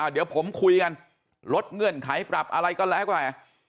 เดี๋ยวผมคุยกันลดเงื่อนไขปรับอะไรก็แล้วแต่